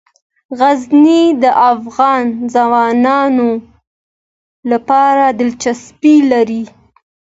غزني د افغان ځوانانو لپاره دلچسپي لري.